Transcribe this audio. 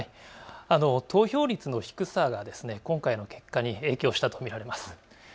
投票率の低さが今回の結果に影響したと見られます。